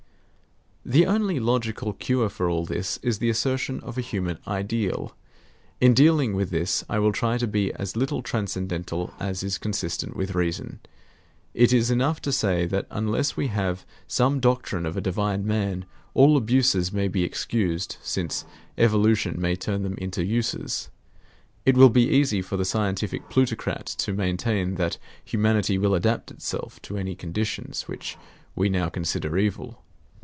The only logical cure for all this is the assertion of a human ideal. In dealing with this, I will try to be as little transcendental as is consistent with reason; it is enough to say that unless we have some doctrine of a divine man, all abuses may be excused, since evolution may turn them into uses. It will be easy for the scientific plutocrat to maintain that humanity will adapt itself to any conditions which we now consider evil.